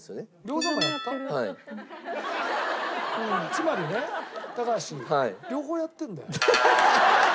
つまりね高橋両方やってんだよ。